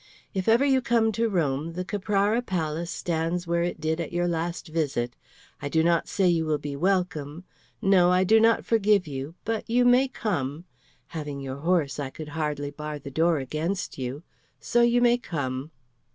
"If ever you come to Rome, the Caprara Palace stands where it did at your last visit. I do not say you will be welcome. No, I do not forgive you, but you may come. Having your horse, I could hardly bar the door against you. So you may come."